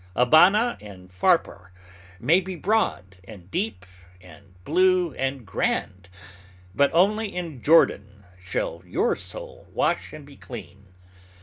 Abana and Pharpar may be broad, and deep, and blue, and grand; but only in Jordan shall your soul wash and be clean.